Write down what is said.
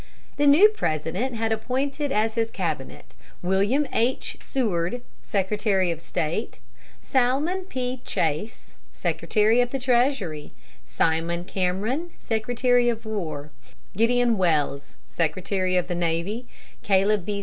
The new President had appointed as his cabinet William H. Seward, Secretary of State; Salmon P. Chase, Secretary of the Treasury; Simon Cameron, Secretary of War; Gideon Welles, Secretary of the Navy; Caleb B.